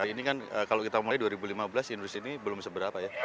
ini kan kalau kita mulai dua ribu lima belas industri ini belum seberapa ya